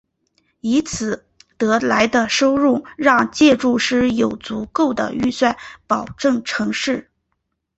以此得来的收入让建筑师有足够的预算保证成事。